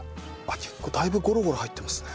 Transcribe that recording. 結構だいぶゴロゴロ入ってますね。